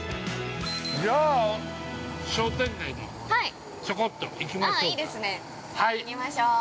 ◆じゃあ、商店街のほうにちょこっと行きましょうか。